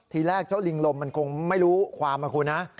ทีแรกเจ้าลิงลมมันคงไม่รู้ความนะคุณนะ